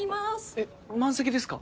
えっ満席ですか？